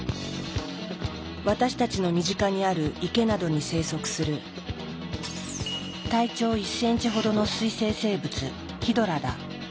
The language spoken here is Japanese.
私たちの身近にある池などに生息する体長１ｃｍほどの水生生物「ヒドラ」だ。